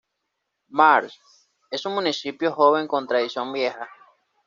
March es un municipio joven con tradición vieja.